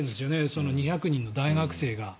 その２００人の大学生が。